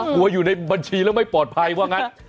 อยู่ในบัญชีแล้วไม่ปลอดภัยว่างั้น